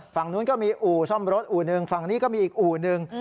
ฝั่งนู้นก็มีอู่ซ่อมรถอู่หนึ่งฝั่งนี้ก็มีอีกอู่หนึ่ง